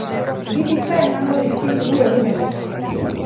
Bi pista emango dizkizugu egunero!